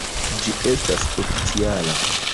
Ĝi estas oficiala!